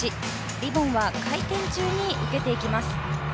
リボンは回転中に受けていきます。